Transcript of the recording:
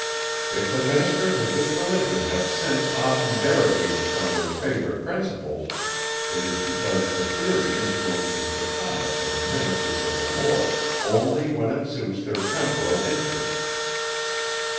If the ministers of this religion have since often derogated from their favourite principles, it is because the theory influences the conduct of the ministers of the Lord, only when it suits their temporal interests.